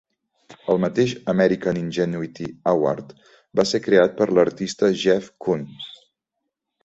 El mateix American Ingenuity Award va ser creat per l'artista Jeff Koons.